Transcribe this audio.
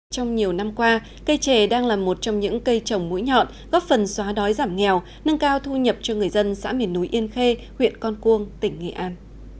trong nhiều năm qua cây trè đang là một trong những cây trồng mũi nhọn góp phần xóa đói giảm nghèo nâng cao thu nhập cho người dân xã miền núi yên khê huyện con cuông tỉnh nghệ an